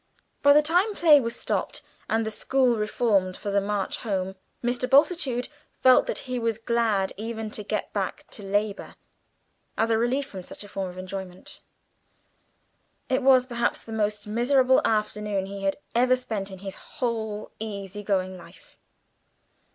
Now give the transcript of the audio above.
By the time play was stopped and the school reformed for the march home, Mr. Bultitude felt that he was glad even to get back to labour as a relief from such a form of enjoyment. It was perhaps the most miserable afternoon he had ever spent in his whole easy going life.